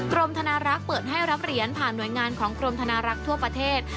ธนารักษ์เปิดให้รับเหรียญผ่านหน่วยงานของกรมธนารักษ์ทั่วประเทศ